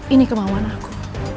ini kemauan aku